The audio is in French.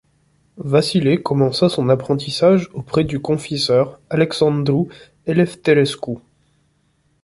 Vasile commença son apprentissage auprès du confiseur Alexandru Elefterescu.